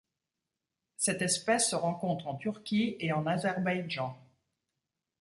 Cette espèce se rencontre en Turquie et en Azerbaïdjan.